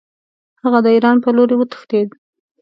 هغه د ایران په لوري وتښتېد.